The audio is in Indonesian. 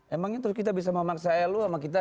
emangnya terus kita bisa memaksa elu sama kita